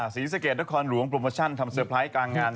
ศรีสะเกดนครหลวงโปรโมชั่นทำเตอร์ไพรส์กลางงาน